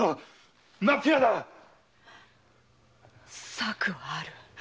策はある。